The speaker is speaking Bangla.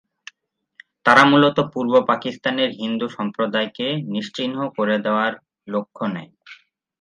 তারা মূলত পূর্ব পাকিস্তানের হিন্দু সম্প্রদায়কে নিশ্চিহ্ন করে দেওয়ার লক্ষ্য নেয়।